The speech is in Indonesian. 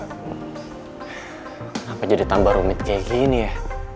kenapa jadi tambah rumit kayak gini ya